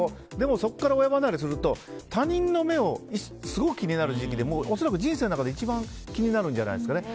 そこから親離れすると他人の目をすごく気になる時期で人生の中で一番気になるんじゃないんですかね。